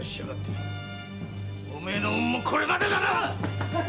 おめえの運もこれまでだな‼〕